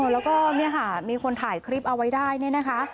แล้วก็เนี่ยค่ะมีคนถ่ายคลิปเอาไว้ได้เนี่ยนะคะ